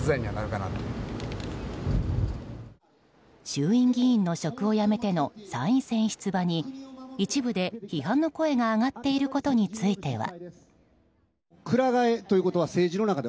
衆院議員の職を辞めての参院選出馬に一部で批判の声が上がっていることについては。